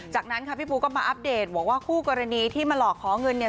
จากนั้นค่ะพี่ปูก็มาอัปเดตบอกว่าคู่กรณีที่มาหลอกขอเงินเนี่ย